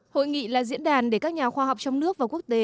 hội nghị là diễn đàn để các nhà khoa học trong nước và quốc tế